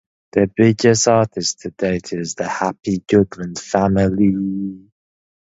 Their biggest artist to date is the Happy Goodman Family.